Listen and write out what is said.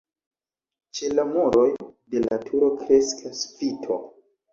Ĉe la muroj de la turo kreskas vito.